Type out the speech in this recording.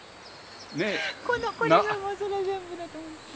これがもうその全部だと思って。